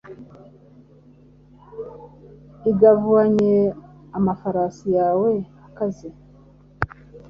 igabanye amafarashi yawe akaze